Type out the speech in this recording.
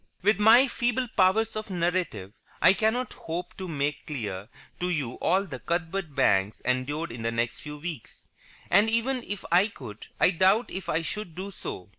With my feeble powers of narrative, I cannot hope to make clear to you all that Cuthbert Banks endured in the next few weeks. And, even if I could, I doubt if I should do so.